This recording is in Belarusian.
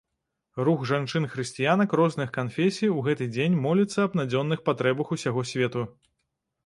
Рух жанчын-хрысціянак розных канфесій у гэты дзень моліцца аб надзённых патрэбах усяго свету.